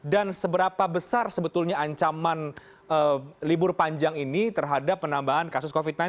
dan seberapa besar sebetulnya ancaman libur panjang ini terhadap penambahan kasus covid sembilan belas